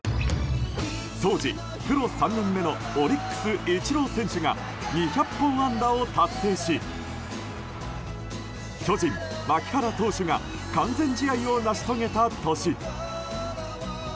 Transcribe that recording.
当時プロ３年目のオリックス、イチロー選手が２００本安打を達成し巨人、槙原投手が完全試合を成し遂げた年。